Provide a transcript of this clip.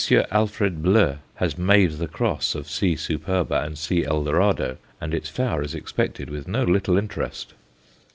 Alfred Bleu has "made the cross" of C. superba and C. Eldorado, and its flower is expected with no little interest.